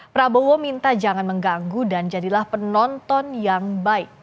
prabowo minta jangan mengganggu dan jadilah penonton yang baik